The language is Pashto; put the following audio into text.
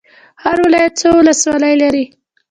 هر ولایت څو ولسوالۍ لري؟